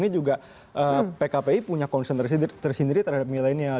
di sini juga pkpi punya konsentrasi tersendiri terhadap milenial